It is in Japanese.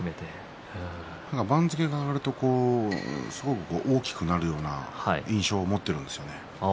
番付が上がるとすごく大きくなるような印象を持っているんですよね。